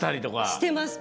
してます！